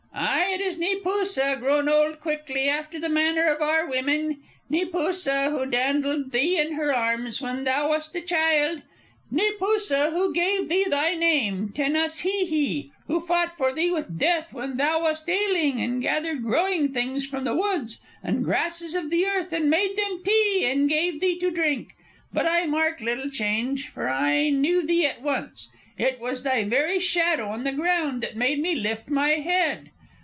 "Ay, it is Neepoosa, grown old quickly after the manner of our women. Neepoosa, who dandled thee in her arms when thou wast a child. Neepoosa, who gave thee thy name, Tenas Hee Hee. Who fought for thee with Death when thou wast ailing; and gathered growing things from the woods and grasses of the earth and made of them tea, and gave thee to drink. But I mark little change, for I knew thee at once. It was thy very shadow on the ground that made me lift my head.